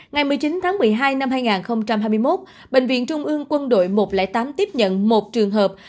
ngày một mươi chín tháng một mươi hai năm hai nghìn hai mươi một bệnh viện trung ương quân đội một trăm linh tám tiếp nhận một trường hợp